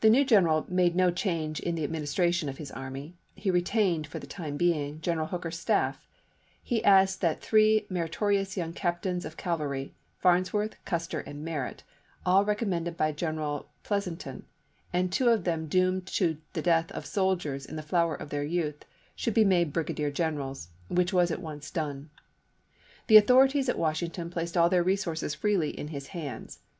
The new general made no change in the administration of his army ; he retained, for the time being, General Hooker's staff ; he asked that three meritorious young cap tains of cavalry, Farnsworth, Custer, and Merritt, all recommended by General Pleasonton, and two of them doomed to the death of soldiers in the flower of their youth, should be made brigadier generals — which was at once done. The authorities at Wash ington placed all their resources freely in his hands.